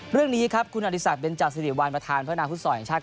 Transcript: เรื่องนี้ครับคุณอธิษฐกิริย์เป็นจักรสิริวัลประธานเพศนาภูมิส่วนส่วนอย่างชาติ